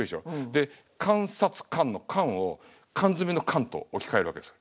で監察官の「監」を缶詰の「缶」と置き換えるわけですよ。